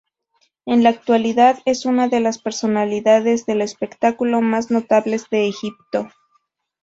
En la actualidad es una de las personalidades del espectáculo más notables de Egipto.